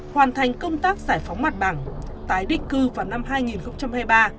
hoàn thành công tác giải phóng mặt bằng tái định cư vào năm hai nghìn hai mươi ba